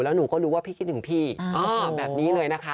หนูก็รู้ว่าพี่คิดถึงพี่แบบนี้เลยนะคะ